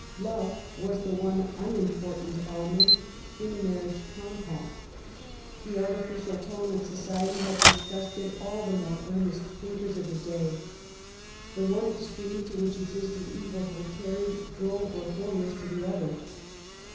Love was the one unimportant element in the marriage compact. The artificial tone of soeiefy had disgusted all the more earnest thinkers LIFE WITH IMLAT. 125 of the day. The one extreme to which existing evils were carried drove reformers to the other.